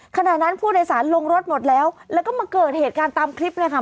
ขณะนั้นผู้โดยสารลงรถหมดแล้วแล้วก็มาเกิดเหตุการณ์ตามคลิปเลยค่ะ